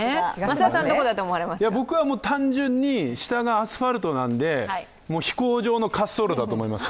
僕は単純に、下がアスファルトなんで飛行場の滑走路だと思います。